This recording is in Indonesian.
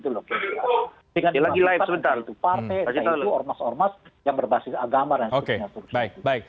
dengan dipakai oleh partai ormas ormas yang berbasis agama dan sebagainya